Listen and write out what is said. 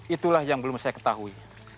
itulah yang belum saya ketahui